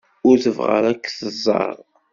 Ur tebɣa ara ad k-tẓer.